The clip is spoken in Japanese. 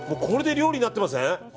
これで料理になってません？